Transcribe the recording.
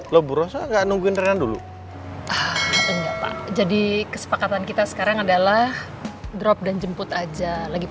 lo burung nggak nungguin dulu jadi kesepakatan kita sekarang adalah drop dan jemput aja lagi